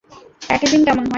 Packaging কেমন হয়?